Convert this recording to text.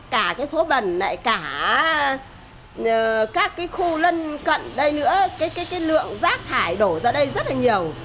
cả cái phố bẩn lại cả các cái khu lân cận đây nữa cái lượng rác thải đổ ra đây rất là nhiều